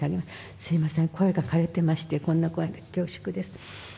すみません、声がかれてまして、こんな声で恐縮です。